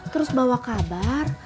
terus bawa kabar